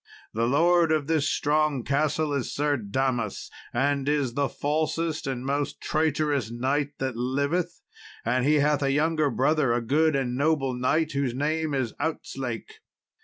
The lord of this strong castle is Sir Damas, and is the falsest and most traitorous knight that liveth; and he hath a younger brother, a good and noble knight, whose name is Outzlake.